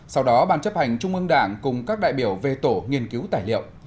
sau đó ban chấp hành trung ương đảng cùng các đại biểu về tổ nghiên cứu tài liệu